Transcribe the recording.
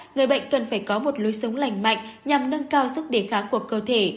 người bệnh cần phải có một lối sống lành mạnh nhằm nâng cao sức đề kháng của cơ thể